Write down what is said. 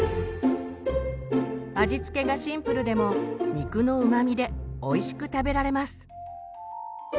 味付けがシンプルでも肉のうまみでおいしく食べられます。